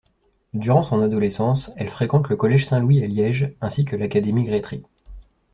Durant son adolescence, elle fréquente le Collège Saint-Louis à Liège ainsi que l'Académie Grétry.